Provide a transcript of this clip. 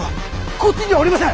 こっちにはおりません！